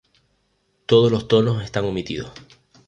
Todos los tonos están omitidos.